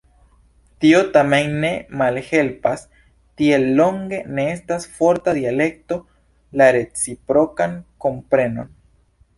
Tio tamen ne malhelpas, tiel longe ne estas forta dialekto, la reciprokan komprenon.